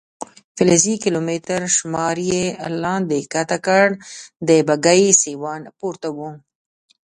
فلزي کیلومتر شمار یې لاندې کښته کړ، د بګۍ سیوان پورته و.